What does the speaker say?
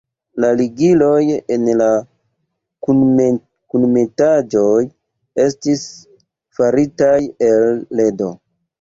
La ligiloj en la kunmetaĵoj estis faritaj el ledo.